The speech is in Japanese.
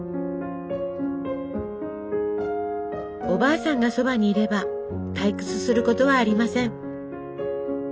おばあさんがそばにいれば退屈することはありません。